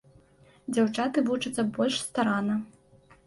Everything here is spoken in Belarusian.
Дзяўчаты вучацца больш старанна.